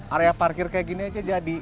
area parkir kayak gini aja jadi